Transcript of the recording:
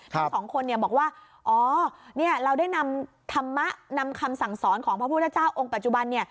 ทั้งสองคนบอกว่าอ๋อเราได้นำธรรมะนำคำสั่งสอนของพระพุทธเจ้าองค์ปัจจุบัน